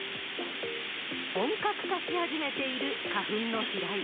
本格化し始めている花粉の飛来。